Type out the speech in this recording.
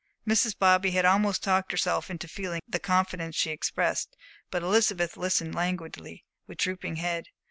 Mrs. Bobby had almost talked herself into feeling the confidence she expressed; but Elizabeth listened languidly, with drooping head.